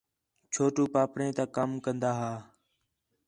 چھوٹو پاپڑیں تا کم کندا ہے